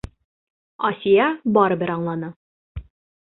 Асия барыбер аңланы.